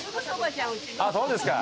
そうですか。